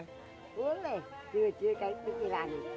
jual jual kan di milani